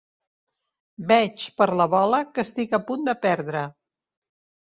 Veig, per la bola, que estic a punt de perdre.